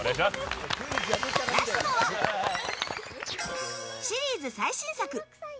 ラストは、シリーズ最新作！